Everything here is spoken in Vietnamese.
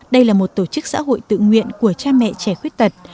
đây là một tổ chức xã hội tự nguyện của cha mẹ trẻ khuyết tật